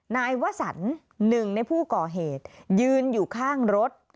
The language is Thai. นายวสันหนึ่งในผู้ก่อเหตุยืนอยู่ข้างรถ